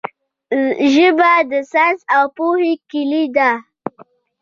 ژبه د ساینس او پوهې کیلي ده.